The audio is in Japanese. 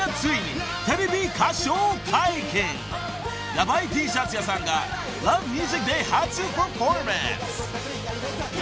［ヤバイＴシャツ屋さんが『Ｌｏｖｅｍｕｓｉｃ』で初パフォーマンス］